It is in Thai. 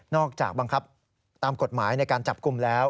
จากบังคับตามกฎหมายในการจับกลุ่มแล้ว